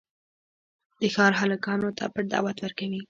د ښار هلکانو ته پټ دعوت ورکوي.